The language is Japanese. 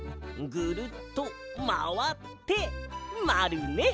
ぐるっとまわってまるね。